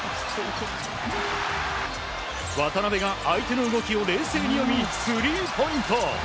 渡邊が相手の動きを冷静に読みスリーポイント。